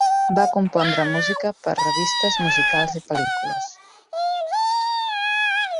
Va compondre música per a revistes musicals i pel·lícules.